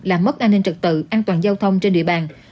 làm mất an ninh trật tự an toàn giao thông trên địa bàn